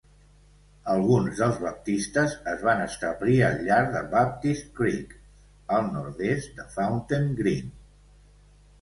Alguns dels baptistes es van establir al llarg de Baptist Creek, al nord-est de Fountain Green.